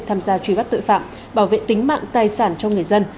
tham gia truy bắt tội phạm bảo vệ tính mạng tài sản cho người dân